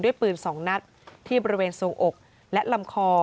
ปืน๒นัดที่บริเวณทรงอกและลำคอ